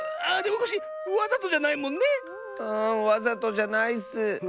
うんわざとじゃないッス！